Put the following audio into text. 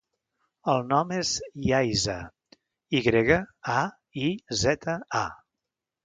El nom és Yaiza: i grega, a, i, zeta, a.